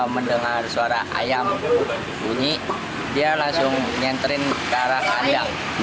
mendengar suara ayam bunyi dia langsung nyenterin ke arah kandang